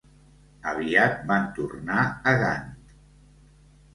Aviat van tornar a Gant.